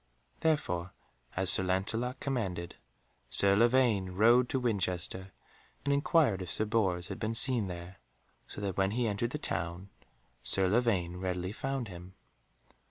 Therefore as Sir Lancelot commanded, Sir Lavaine rode to Winchester and inquired if Sir Bors had been seen there, so that when he entered the town Sir Lavaine readily found him.